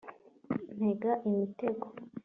ntega imitego